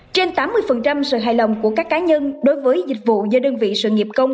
trên tám mươi sự hài lòng của các cá nhân đối với dịch vụ do đơn vị sự nghiệp công